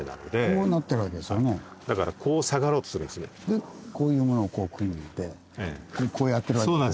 でこういうものをこう組んでこうやってるわけですよね。